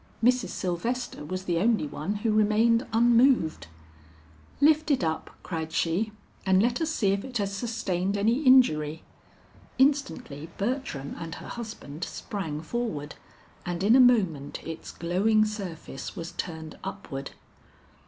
Mrs. Sylvester was the only one who remained unmoved. "Lift if up," cried she, "and let us see if it has sustained any injury." Instantly Bertram and her husband sprang forward, and in a moment its glowing surface was turned upward.